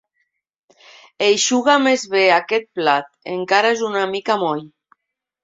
Eixuga més bé aquest plat: encara és una mica moll.